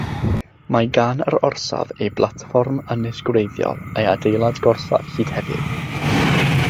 Mae gan yr orsaf ei blatfform ynys gwreiddiol a'i adeilad gorsaf hyd heddiw.